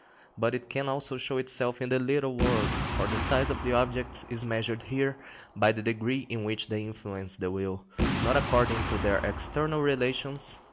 But it can also show itself in the little world, for the size of the objects is measured here by the degree in which they influence the will, not according to their external relations.